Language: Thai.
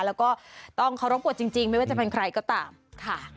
แล้วก็ต้องเคารพกฎจริงไม่ว่าจะเป็นใครก็ตามค่ะ